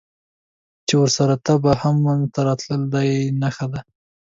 چې ورسره تبه هم منځته راتلل، دا یې نښه ده.